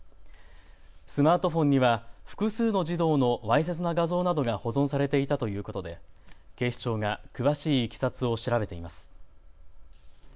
スマートフォンには複数の児童のわいせつな画像などが保存されていたということで警視庁が詳しいいきさつを調べています。